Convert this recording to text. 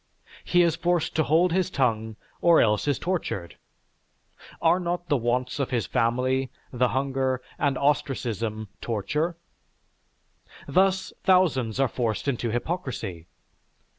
He is forced to hold his tongue, or else is tortured. Are not the wants of his family, the hunger, and ostracism torture? Thus thousands are forced into hypocrisy.